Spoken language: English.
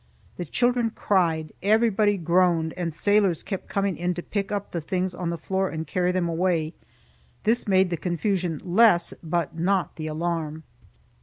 The children cried, everybody groaned, and sailors kept coming in to pick up the things on the floor and carry them away. This made the confusion less, but not the alarm.